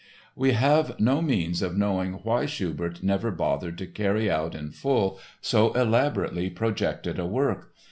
We have no means of knowing why Schubert never bothered to carry out in full so elaborately projected a work.